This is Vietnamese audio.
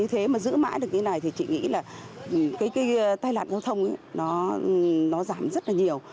thế mà giữ mãi được cái này thì chị nghĩ là cái tai nạn giao thông nó giảm rất là nhiều